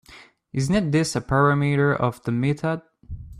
Isn’t this a parameter of the method?